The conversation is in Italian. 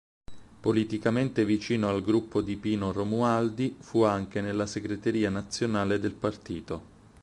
Politicamente vicino al gruppo di Pino Romualdi, fu anche nella segreteria nazionale del partito.